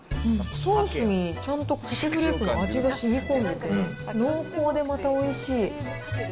ソースにちゃんと鮭フレークの味がしみこんでて、濃厚で、またおいしい。